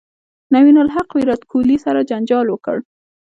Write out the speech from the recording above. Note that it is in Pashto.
نوین الحق ویرات کوهلي سره جنجال وکړ